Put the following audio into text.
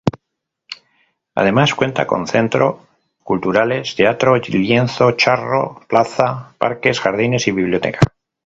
Además cuenta con centro culturales, teatro, lienzo charro, plaza, parques, jardines y biblioteca.